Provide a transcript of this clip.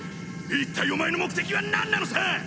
一体お前の目的はなんなのさ！